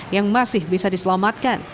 yang masih bisa diselamatkan